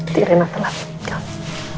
terima kasih ya sayang